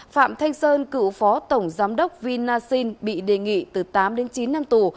phạm thanh sơn cựu phó tổng giám đốc vinasin bị đề nghị từ tám đến chín năm tù